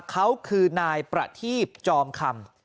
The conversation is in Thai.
เขาคือนายประทีบจอมคำ